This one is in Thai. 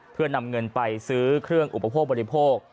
เพื่อนำเงินไปซื้อเครื่องอุปโภคบริโภค